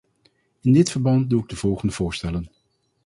In dit verband doe ik de volgende voorstellen.